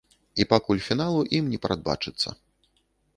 І пакуль фіналу ім не прадбачыцца.